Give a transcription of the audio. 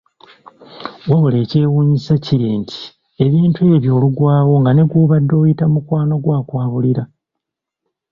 Wabula ekyewuunyisa kiri nti ebintu ebyo oluggwaawo nga ne gw'obadde oyita mukwano gwo akwabulira.